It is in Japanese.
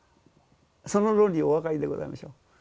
その論理お分かりでございましょ？